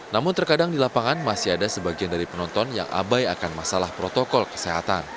namun terkadang di lapangan masih ada sebagian dari penonton yang abai akan masalah protokol kesehatan